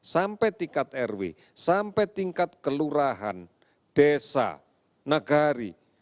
sampai tingkat rw sampai tingkat kelurahan desa negari